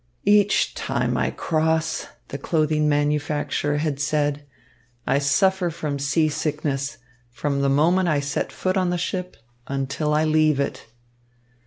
"Each time I cross," the clothing manufacturer had said, "I suffer from seasickness, from the moment I set foot on the ship until I leave it."